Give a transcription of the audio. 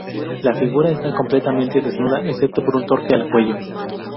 La figura está completamente desnuda excepto por un torque al cuello.